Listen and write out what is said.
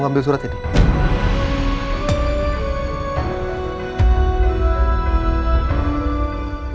mau ambil surat ya nih